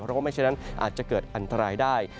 เพราะว่าไม่ฉะนั้นอาจจะเกิดอันตรายได้